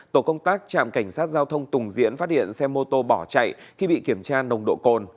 tổ công tác trạm cảnh sát giao thông tùng diễn phát hiện xe mô tô bỏ chạy khi bị kiểm tra nồng độ cồn